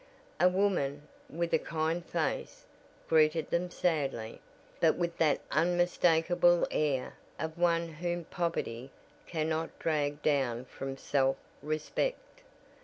A woman, with a kind face, greeted them sadly, but with that unmistakable air of one whom poverty cannot drag down from self respect.